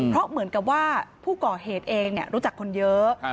เพราะเหมือนกับว่าผู้ก่อเหตุเองรู้จักคนเยอะ